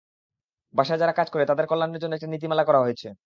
বাসায় যারা কাজ করে, তাদের কল্যাণের জন্য একটা নীতিমালা করা হয়েছে।